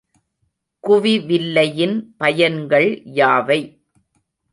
குவிவில்லையின் பயன்கள் யாவை?